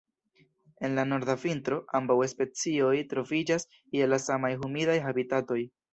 En la norda vintro, ambaŭ specioj troviĝas je la samaj humidaj habitatoj.